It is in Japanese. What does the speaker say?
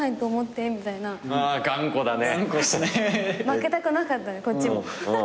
負けたくなかったんでこっちも。